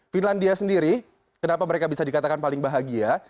finlandia sendiri kenapa mereka bisa dikatakan paling bahagia